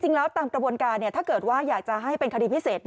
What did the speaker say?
ตามกระบวนการถ้าเกิดว่าอยากจะให้เป็นคดีพิเศษ